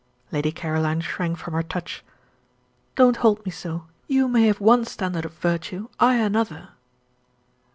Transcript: Lady Caroline shrank from her touch. "Don't hold me so. You may have one standard of virtue, I another."